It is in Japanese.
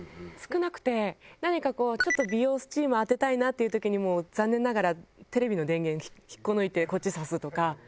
何かちょっと美容スチーム当てたいなっていう時にもう残念ながらテレビの電源引っこ抜いてこっち差すとか。